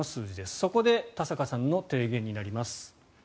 そこで田坂さんの提言になります。